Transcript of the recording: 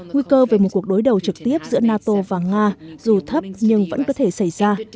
nguy cơ về một cuộc đối đầu trực tiếp giữa nato và nga dù thấp nhưng vẫn có thể xảy ra